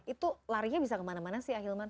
itu larinya bisa kemana mana sih ahilman